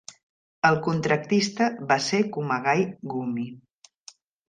El contractista va ser Kumagai Gumi.